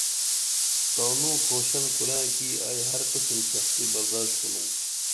تانوں کھوشن کُرائیں ائی ہر قسم سختی برداشت کُنُم